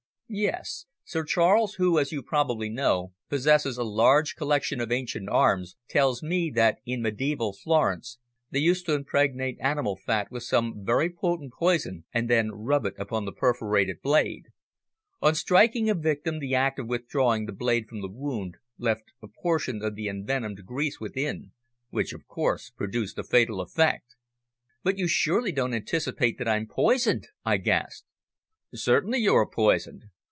"Yes; Sir Charles, who, as you probably know, possesses a large collection of ancient arms, tells me that in mediaeval Florence they used to impregnate animal fat with some very potent poison and then rub it upon the perforated blade. On striking a victim the act of withdrawing the blade from the wound left a portion of the envenomed grease within, which, of course, produced a fatal effect." "But you surely don't anticipate that I'm poisoned?" I gasped. "Certainly you are poisoned.